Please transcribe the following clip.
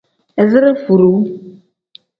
Izire furuu.